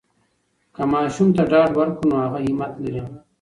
که ماشوم ته ډاډ ورکړو، نو هغه همت لری.